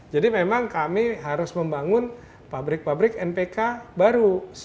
jadi memang kami harus membangun pabrik pabrik npk baru